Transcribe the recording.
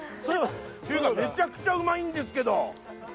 いうかめちゃくちゃうまいんですけど！